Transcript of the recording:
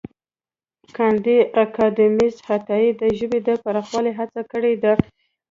کانديد اکاډميسن عطايي د ژبې د پراخولو هڅه کړې ده.